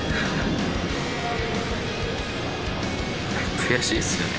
悔しいっすよね。